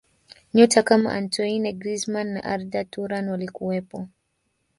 nyota kama antoine grizman na arda turan walikuwepo